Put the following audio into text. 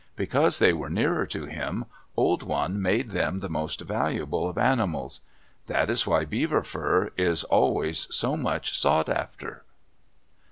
Because they were nearer to him, Old One made them the most valuable of animals. That is why beaver fur is always so much sought after.